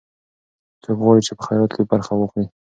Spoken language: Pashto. څوک غواړي چې په خیرات کې برخه واخلي؟